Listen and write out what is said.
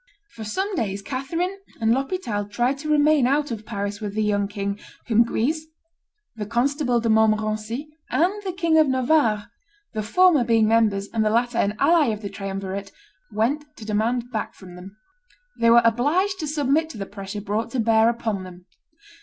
For some days Catherine and L'Hospital tried to remain out of Paris with the young king, whom Guise, the Constable de Montmorency, and the King of Navarre, the former being members and the latter an ally of the triumvirate, went to demand back from them. They were obliged to submit to the pressure brought to bear upon them.